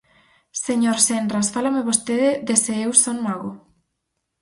Señor Senras, fálame vostede de se eu son mago.